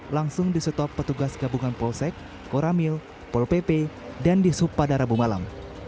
langsung disetop petugas gabungan polsek koramil polpp dan di supadara bumalam